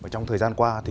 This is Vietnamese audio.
trong thời gian qua